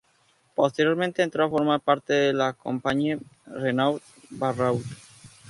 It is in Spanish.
Posteriormente entró a formar parte de la Compagnie Renaud-Barrault.